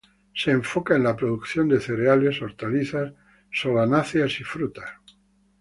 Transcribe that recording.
Se enfoca en la producción de cereales, hortalizas, solanáceas y frutas.